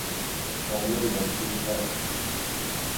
سامنے مارکیٹ ہے۔